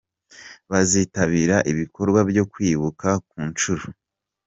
bazitabira ibikorwa byo kwibuka ku nshuro.